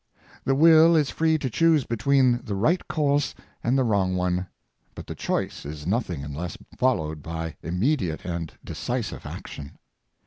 The will is free to choose between the right course and the wrong one, but the choice is nothing unless followed by immediate and decisive action.